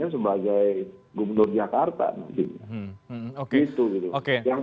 jadi apa namanya karena mercusuarnya banyak maka dia punya keleluasan lebih mudah untuk menjual dirinya